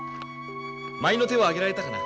舞の手は上げられたかな？